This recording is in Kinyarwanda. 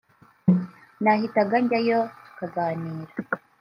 nahitaga njyayo tukaganira